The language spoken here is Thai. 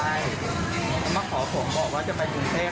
แล้วมาขอผมบอกว่าจะไปกรุงเทพ